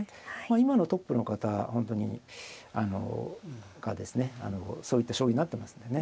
今のトップの方がですねそういった将棋になってますんでね。